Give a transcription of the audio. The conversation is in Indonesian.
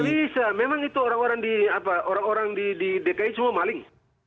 bisa memang itu orang orang di dki semua maling